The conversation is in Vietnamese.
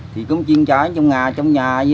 thì cũng chiên trải trong nhà